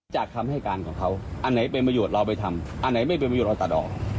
คำให้การของเขาอันไหนเป็นประโยชน์เราไปทำอันไหนไม่เป็นประโยชนเราตัดออก